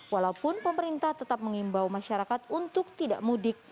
walaupun pemerintah tetap mengimbau masyarakat untuk tidak mudik